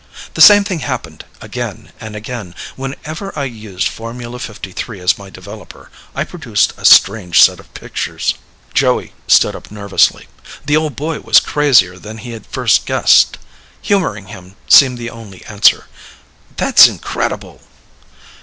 The same thing happened again and again. Whenever I used Formula #53 as my developer, I produced a strange set of pictures." Joey stood up nervously. The old boy was crazier than he had first guessed. Humoring him seemed the only answer. "That's incredible."